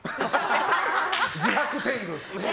自白天狗！